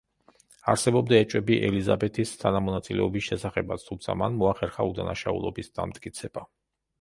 არსებობდა ეჭვები ელიზაბეთის თანამონაწილეობის შესახებაც, თუმცა, მან მოახერხა უდანაშაულობის დამტკიცება.